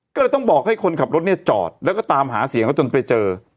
ก็เลยต้องบอกให้คนขับรถเนี่ยจอดแล้วก็ตามหาเสียงเขาจนไปเจอ